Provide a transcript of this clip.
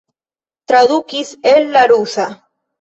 Tradukis el la rusa.